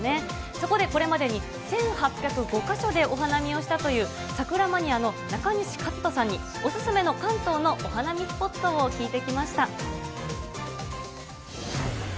そこでこれまでに１８０５か所でお花見をしたという桜マニアの中西一登さんにお勧めの関東のお花見スポットを聞いてきました。